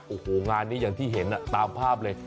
โหงานนี้ที่เห็นตามภาพเลย